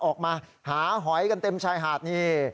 ออกมาหาหอยกันเต็มชายหาดนี่